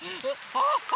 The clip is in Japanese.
あっ！